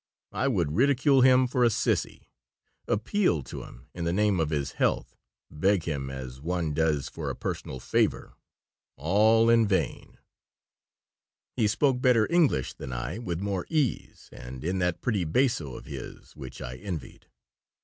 I would ridicule him for a sissy, appeal to him in the name of his health, beg him as one does for a personal favor, all in vain He spoke better English than I, with more ease, and in that pretty basso of his which I envied.